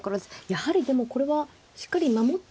やはりでもこれはしっかり守っ